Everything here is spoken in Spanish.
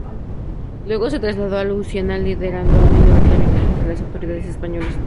Luego se trasladó a Louisiana, liderando un levantamiento contra las autoridades Españolas.